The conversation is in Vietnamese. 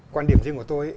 quan điểm riêng của tôi